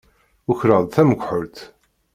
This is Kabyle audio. Ukreɣ-d tamekḥelt.